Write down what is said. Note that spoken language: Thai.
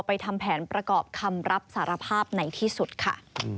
ทำแผนประกอบคำรับสารภาพในที่สุดค่ะ